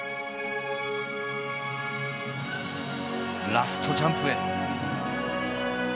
ラストジャンプへ。